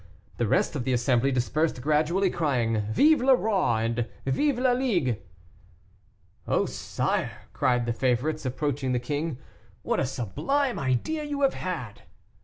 The rest of the assembly dispersed gradually, crying, "Vive le Roi! and Vive la Ligue!" "Oh, sire!" cried the favorites, approaching the king, "what a sublime idea you have had!"